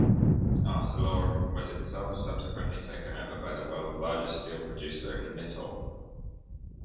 Arcelor was itself subsequently taken over by the world's largest steel producer, Mittal.